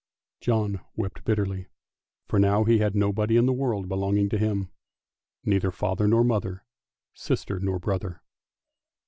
John wept bitterly, for now he had nobody in the world belonging to him, neither father nor mother, sister nor brother.